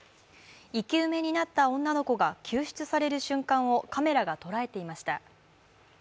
生き埋めになった女の子が救出される瞬間をカメラが捉えていました。